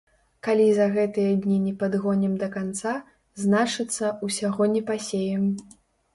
Калі за гэтыя дні не падгонім да канца, значыцца, усяго не пасеем.